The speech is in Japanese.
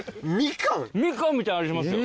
ミカンみたいな味しますよ。